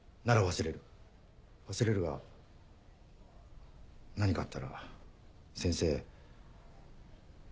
忘れるが何かあったら先生。